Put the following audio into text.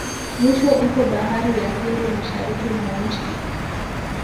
Mwisho ipo bahari ya Hindi mashariki mwa nchi